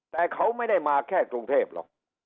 แต่เขาไม่ได้มาแค่กรุงเทพหรอก